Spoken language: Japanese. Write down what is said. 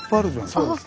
そうです。